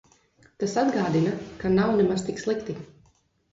Tas atgādina, ka nav nemaz tik slikti.